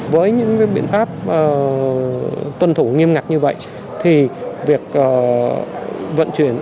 với những biện pháp tuân thủ nghiêm ngặt như vậy thì việc vận chuyển